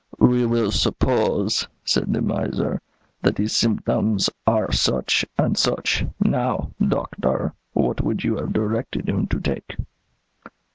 "'We will suppose,' said the miser, 'that his symptoms are such and such; now, Doctor, what would you have directed him to take?'